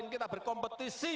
karena kita berkompetisi